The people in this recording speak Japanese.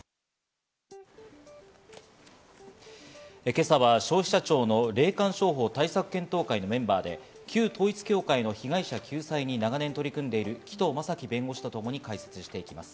今朝は消費者庁の霊感商法対策検討会のメンバーで、旧統一教会の被害者救済に長年取り組んでいる紀藤正樹弁護士とともに解説していきます。